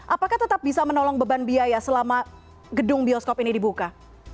apakah tetap bisa menolong beban biaya selama gedung bioskop ini dibuka